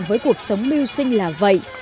với cuộc sống mưu sinh là vậy